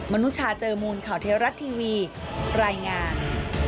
นุชาเจอมูลข่าวเทวรัฐทีวีรายงาน